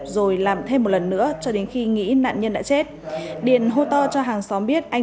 rồi làm thêm một lần nữa cho đến khi nghĩ nạn nhân đã chết điền hô to cho hàng xóm biết anh